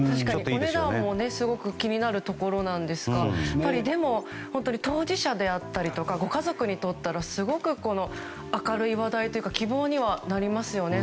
お値段もすごく気になるところですが当事者であったりとかご家族にとったら明るい話題というか希望にはなりますよね。